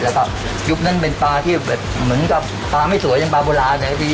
แล้วก็ยุบนั้นเป็นปลาที่แบบเหมือนกับปลาไม่สวยยังปลาโบราณดี